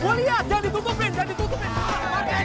gue lihat jangan ditutupin jangan ditutupin